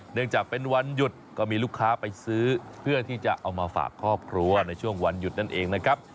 เนื่องจากเป็นวันหยุดก็มีลูกค้าไปซื้อเพื่อที่จะเอามาฝากครอบครัวในช่วงวันหยุดนั่นเองนะครับ